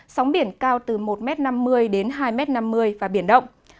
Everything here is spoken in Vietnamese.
sống biển cao từ một năm mươi m đến hai năm mươi m và biển động